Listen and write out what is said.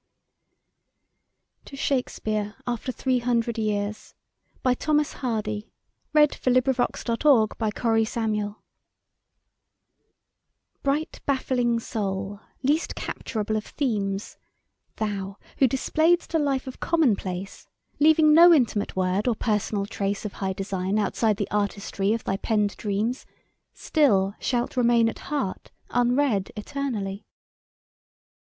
TO SHAKESPEARE AFTER THREE HUNDRED YEARS BRIGHT baffling Soul, least capturable of themes, Thou, who display'dst a life of common place, Leaving no intimate word or personal trace Of high design outside the artistry Of thy penned dreams, Still shalt remain at heart unread eternally.